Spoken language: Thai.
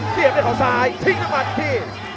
เยี่ยมที่ขาวซ้ายทิ้งกับมันที่